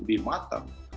dan mereka mereka matang